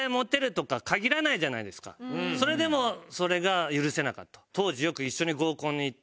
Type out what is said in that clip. それでもそれが許せなかった。